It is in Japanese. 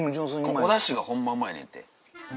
おダシがホンマうまいねんて。